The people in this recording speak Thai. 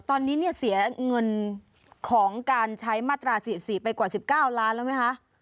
ตอนนี้เนี่ยเสียเงินของการใช้มาตรา๔๔ไปกว่า๑๙ล้านแล้วไหมคะ